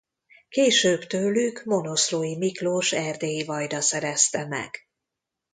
Később tőlük Monoszlói Miklós erdélyi vajda szerezte meg.